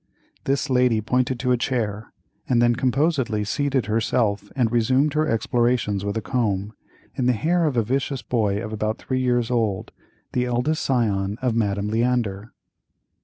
This lady pointed to a chair, and then composedly seated herself and resumed her explorations with a comb, in the hair of a vicious boy of about three years old, the eldest scion of Madame Leander.